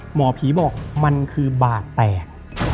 หมอผีบอกมันคือบาดแตก